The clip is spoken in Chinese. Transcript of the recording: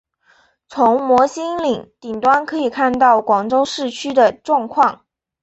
从摩星岭顶端可以看到广州市区的状况。